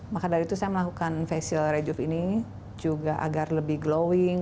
maka dari itu saya melakukan facial rejuve ini juga agar lebih glowing